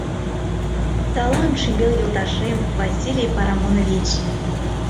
«Салам, шӱмбел йолташем, Василий Парамонович!»